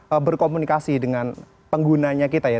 kita perlu berkomunikasi dengan penggunanya kita ya